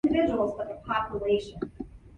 It then saw service in both Battles of Saratoga.